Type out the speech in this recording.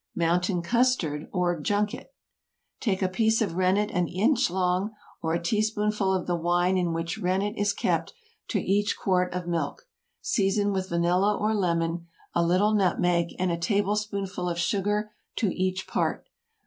MOUNTAIN CUSTARD, OR JUNKET. ✠ Take a piece of rennet an inch long, or a teaspoonful of the wine in which rennet is kept, to each quart of milk. Season with vanilla or lemon, a little nutmeg, and a tablespoonful of sugar to each part.